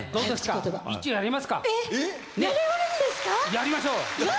やりましょう。わ！